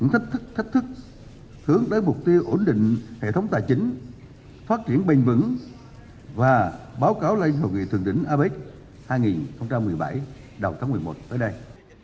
thách thức thách thức hướng tới mục tiêu ổn định hệ thống tài chính phát triển bình vững và báo cáo lên hội nghị thượng đỉnh apec hai nghìn một mươi bảy đầu tháng một mươi một tới đây